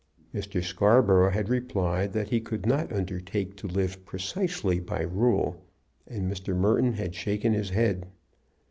Mr. Scarborough had replied that he could not undertake to live precisely by rule, and Mr. Merton had shaken his head.